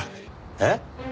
えっ？